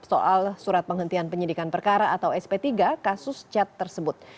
soal surat penghentian penyidikan perkara atau sp tiga kasus cat tersebut